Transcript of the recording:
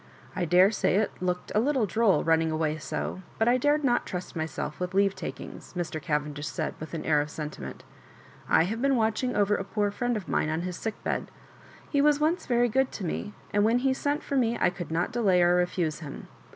I daresay it looked a little droll running away so, but I dared not trust myself with leavetakings," Mr. Cavendish said, with an air of sentiment "I have been watching over a poor friend of mine on his sickbed. He was once very good to me, and when he sent for me I could not delay or refuse him.